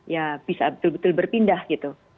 ya bisa betul betul berpindah gitu